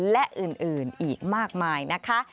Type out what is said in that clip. และอื่นอีกมากมายนะคะ